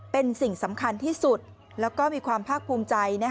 เป็นสิ่งสำคัญที่สุดแล้วก็มีความภาคภูมิใจ